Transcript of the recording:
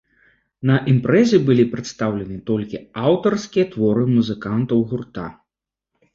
На імпрэзе былі прадстаўлены толькі аўтарскія творы музыкантаў гурта.